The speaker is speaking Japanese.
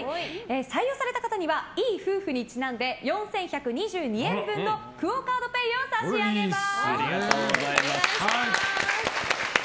採用された方にはいい夫婦にちなんで４１２２円分のクオ・カードペイを差し上げます。